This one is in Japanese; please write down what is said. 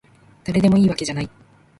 だれでもいいわけじゃない